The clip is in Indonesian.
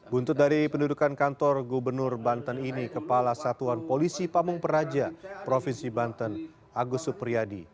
buntut dari pendudukan kantor gubernur banten ini kepala satuan polisi pamung peraja provinsi banten agus supriyadi